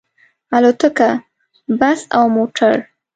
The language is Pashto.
الوتکه، بس او موټر